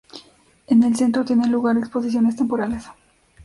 En el centro tienen lugar exposiciones temporales.